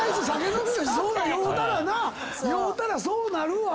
酔うたらな酔うたらそうなるわ。